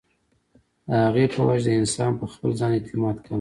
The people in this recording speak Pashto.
د هغې پۀ وجه د انسان پۀ خپل ځان اعتماد کم شي